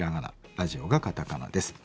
「ラジオ」がカタカナです。